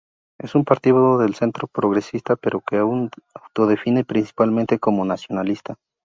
Es un partido del centro progresista pero que se autodefine principalmente como nacionalista.